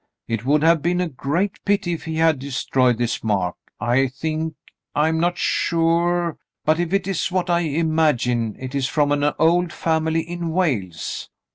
*'It would have been a great pity if he had destroyed this mark. I think — I'm not sure — but if it's what I imagine, it is from an old family in Wales."